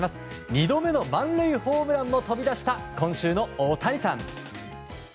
２度目の満塁ホームランも飛び出した今週のオオタニさん。